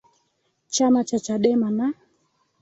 chama cha chadema na